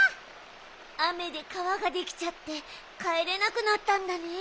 あめでかわができちゃってかえれなくなったんだね。